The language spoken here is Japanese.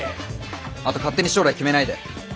あと勝手に将来決めないで。